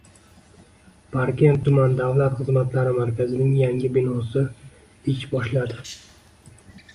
Parkent tuman davlat xizmatlari markazining yangi binosi ish boshladi